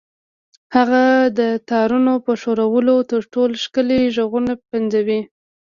هغه د تارونو په ښورولو تر ټولو ښکلي غږونه پنځوي